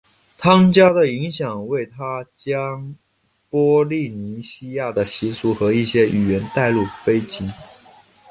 汤加的影响为他将波利尼西亚的习俗和一些语言带入斐济。